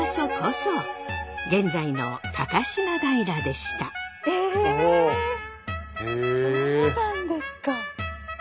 そうなんですか。